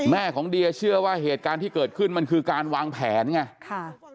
ของเดียเชื่อว่าเหตุการณ์ที่เกิดขึ้นมันคือการวางแผนไง